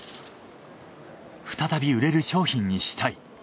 再び売れる商品にしたい。